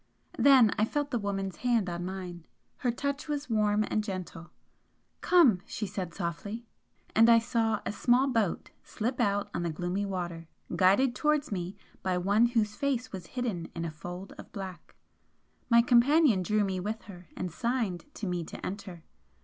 Then I felt the woman's hand on mine. Her touch was warm and gentle. "Come!" she said, softly. And I saw a small boat slip out on the gloomy water, guided towards me by One whose face was hidden in a fold of black. My companion drew me with her and signed to me to enter.